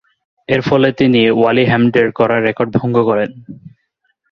এরফলে তিনি ওয়ালি হ্যামন্ডের গড়া রেকর্ড ভঙ্গ করেন।